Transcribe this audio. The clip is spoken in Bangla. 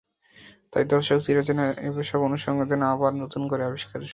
তাই দর্শকও চিরচেনা এসব অনুষঙ্গ যেন আবার নতুন করে আবিষ্কারের সুযোগ পেল।